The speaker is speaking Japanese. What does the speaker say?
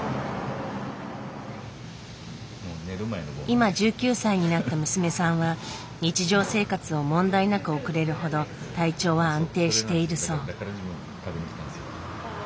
今１９歳になった娘さんは日常生活を問題なく送れるほど体調は安定しているそう。